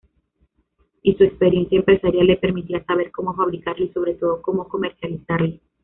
Y su experiencia empresarial le permitía saber cómo fabricarlo y, sobre todo, cómo comercializarlo.